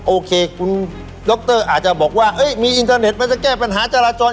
โอเคคุณดรอาจจะบอกว่ามีอินเทอร์เน็ตมันจะแก้ปัญหาจราจร